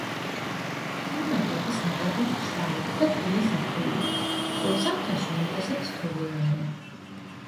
კლიმატი არის ნაკლებად მშრალი და გრილი ზაფხულია, ხოლო ზამთარში უმეტესად თოვლიანია.